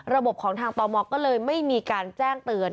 ของทางตมก็เลยไม่มีการแจ้งเตือน